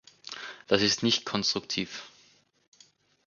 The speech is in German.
Das ist nicht konstruktiv!